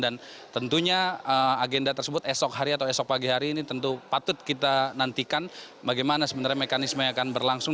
dan tentunya agenda tersebut esok hari atau esok pagi hari ini tentu patut kita nantikan bagaimana sebenarnya mekanisme akan berlangsung